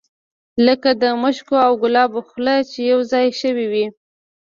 لکه د مشکو او ګلابو خوله چې یو ځای شوې وي.